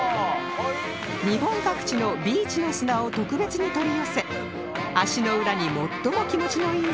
日本各地のビーチの砂を特別に取り寄せ足の裏に最も気持ちのいい砂を決定します